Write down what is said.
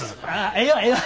ええわええわ。